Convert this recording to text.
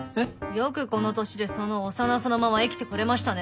よくこの年でその幼さのまま生きてこれましたね